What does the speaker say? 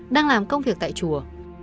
đang làm công việc tại chùa